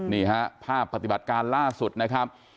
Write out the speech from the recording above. นี่ฮะภาพปฏิบัติการล่าสุดนะครับ